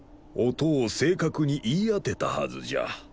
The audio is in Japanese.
音を正確に言い当てたはずじゃ。